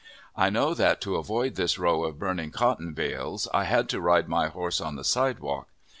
I know that, to avoid this row of burning cotton bales, I had to ride my horse on the sidewalk.